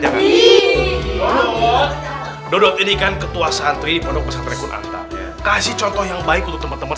jangan dodot ini kan ketua santri pendok pesat rekun antar kasih contoh yang baik untuk teman teman